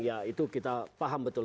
ya itu kita paham betul